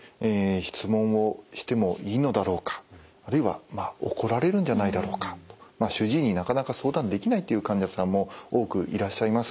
質問をしてもいいのだろうかあるいは怒られるんじゃないだろうかと主治医になかなか相談できないという患者さんも多くいらっしゃいます。